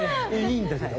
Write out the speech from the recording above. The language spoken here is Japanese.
いいんだけど。